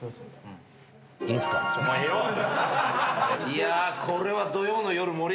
いやこれは。